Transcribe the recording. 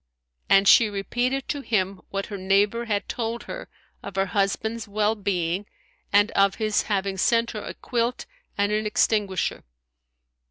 And she repeated to him what her neighbour had told her of her husband's well being and of his having sent her a quilt and an extinguisher.